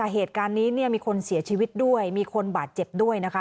เหตุการณ์นี้มีคนเสียชีวิตด้วยมีคนบาดเจ็บด้วยนะคะ